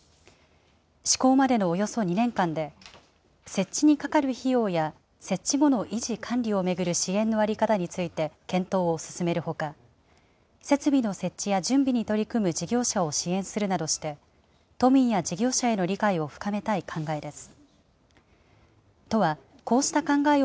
施行までのおよそ２年間で、設置にかかる費用や設置後の維持・管理を巡る支援の在り方について検討を進めるほか、設備の設置や準備に取り組む事業者を支援するなどして、都民や事業者への理解を深めたい考えです。